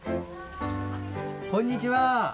こんにちは。